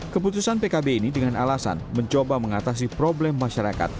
keputusan pkb ini dengan alasan mencoba mengatasi problem masyarakat